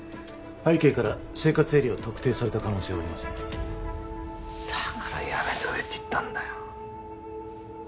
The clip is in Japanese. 背景から生活エリアを特定された可能性はありますねだからやめとけって言ったんだよ